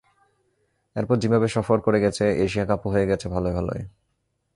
এরপর জিম্বাবুয়ে সফর করে গেছে, এশিয়া কাপও হয়ে গেছে ভালোয় ভালোয়।